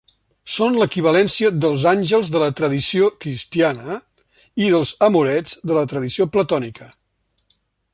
Són l'equivalència dels àngels de la tradició cristiana i dels amorets de la tradició platònica.